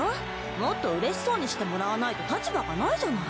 もっと嬉しそうにしてもらわないと立場がないじゃない。